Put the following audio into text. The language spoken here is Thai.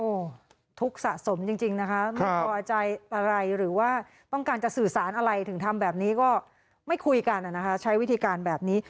โอ้โหทุกข์สะสมจริงนะคะไม่พอใจอะไรหรือว่าต้องการจะสื่อสารอะไรถึงทำแบบนี้ก็ไม่คุยกันนะคะใช้วิธีการแบบนี้